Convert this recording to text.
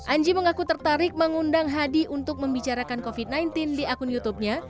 anji mengaku tertarik mengundang hadi untuk membicarakan covid sembilan belas di akun youtubenya